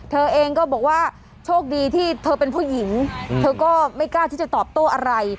เธอเองก็บอกว่าโชคดีที่เธอเป็นผู้หญิงเธอก็ไม่กล้าที่จะตอบโต้อะไร